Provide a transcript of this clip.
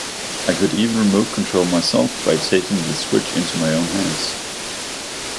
I could even remote-control myself by taking the switch into my own hands.